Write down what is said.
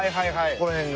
この辺が。